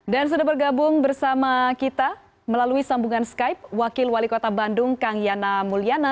dan sudah bergabung bersama kita melalui sambungan skype wakil wali kota bandung kang yana mulyana